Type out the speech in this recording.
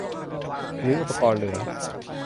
หรืออุปกรณ์เหลือ